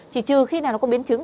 chỉ trừ khi nào nó có biến trứng